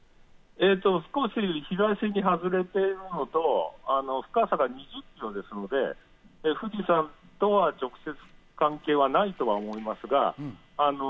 少し東に外れているのと深さが２０キロですので富士山とは直接関係はないとは思いますが。